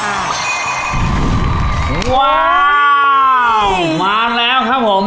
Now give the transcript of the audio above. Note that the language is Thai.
ว้าวมาแล้วครับผม